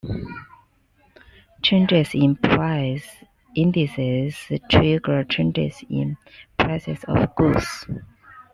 Changes in price indices trigger changes in prices of goods.